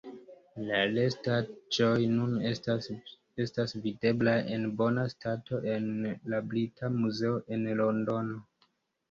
La restaĵoj nun estas videblaj en bona stato en la Brita Muzeo en Londono.